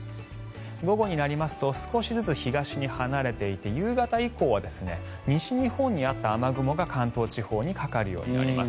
午後になりますと少しずつ東に離れていって夕方以降は西日本にあった雨雲が関東地方にかかるようになります。